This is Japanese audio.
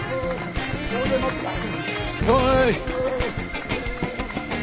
おい！